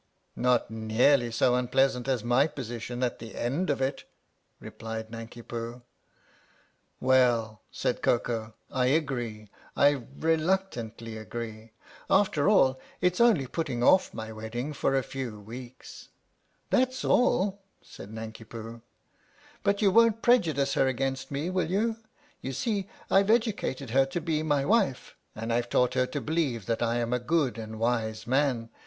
" Not nearly so unpleasant as my position at the end of it," replied Nanki Poo. "Well," said Koko, " I agree. I reluctantly agree. After all it 's only putting off my wedding for a few weeks." " That 's all !" said Nanki Poo. " But you won't prejudice her against me, will you ? You see I've educated her to be my wife and I've taught her to believe that I am a good and wise man.